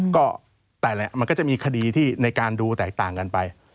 ก็แต่ละมันก็จะมีคดีที่ในการดูแตกต่างกันไป